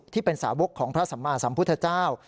ที่เป็นสาวกของพระสัมมาสัมพุทธเจ้า